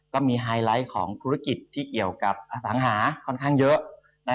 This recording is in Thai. ไฮไลท์ของธุรกิจที่เกี่ยวกับอสังหาค่อนข้างเยอะ